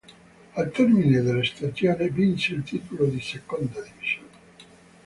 Al termine della stagione vinse il titolo di Seconda Divisione.